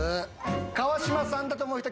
川島さんだと思う人挙手！